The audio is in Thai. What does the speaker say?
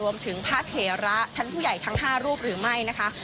รวมถึงภาคเทระชั้นผู้ใหญ่ทั้ง๕รูปการทรงครอบเอ็กซา